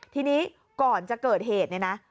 ทีนี้ก่อนจะเกิดเหตุเนี่ยนะ